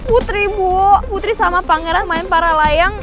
putri bu putri sama pangeran main para layang